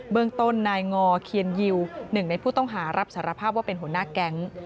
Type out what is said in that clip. เมืองต้นนายงอเคียนยิวหนึ่งในผู้ต้องหารับสารภาพว่าเป็นหัวหน้าแก๊ง